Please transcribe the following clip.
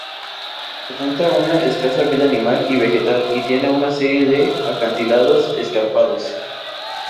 Presenta una escasa vida animal y vegetal y tiene una serie de acantilados escarpados.